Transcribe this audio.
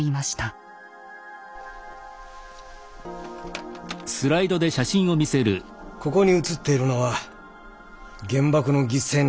ここに写っているのは原爆の犠牲になった人の姿だ。